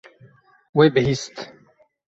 Wê bihîst.